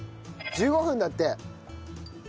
１５分だって。